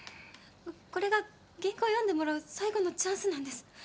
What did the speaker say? これが原稿読んでもらう最後のチャンスなんです。